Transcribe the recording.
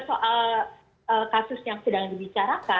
nah kembali ke soal kasus yang sedang dibicarakan